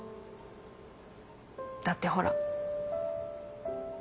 だってほら。